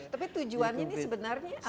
tapi tujuannya ini sebenarnya apa